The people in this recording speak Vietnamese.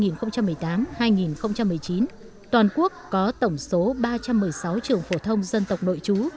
năm học hai nghìn một mươi chín toàn quốc có tổng số ba trăm một mươi sáu trường phổ thông dân tộc nội chú